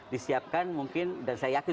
disiapkan mungkin dan saya yakin